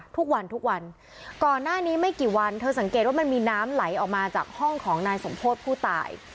ทุกวันทุกวันก่อนหน้านี้ไม่กี่วันเธอสังเกตว่ามันมีน้ำไหลออกมาจากห้องของนายสมโพธิผู้ตาย